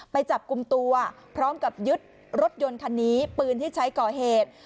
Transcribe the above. ไปจับกลุ่มตัวพร้อมกับยึดรถยนต์คันนี้ปืนที่ใช้ก่อเหตุ